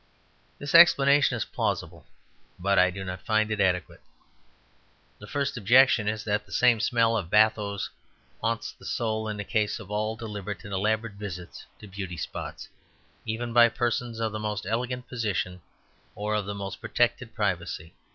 This explanation is plausible; but I do not find it adequate. The first objection is that the same smell of bathos haunts the soul in the case of all deliberate and elaborate visits to "beauty spots," even by persons of the most elegant position or the most protected privacy.